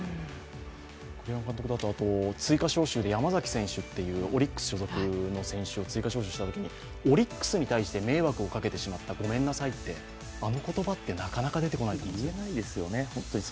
栗山監督と、追加招集で山崎選手というオリックス所属の選手を追加招集したことについてオリックスに対して迷惑をかけてしまった、ごめんなさいって、あの言葉って、なかなか出てこないですよね。